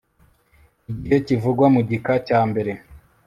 igihe kivugwa mu gika cya mbere